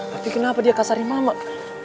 tapi kenapa dia kasarima mak